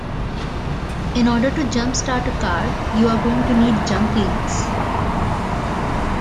In order to jumpstart a car you are going to need jump leads